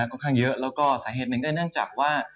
ค่อนข้างเยอะแล้วก็สาเหตุหนึ่งก็เนื่องจากว่า